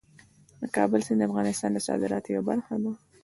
د کابل سیند د افغانستان د صادراتو یوه برخه ده.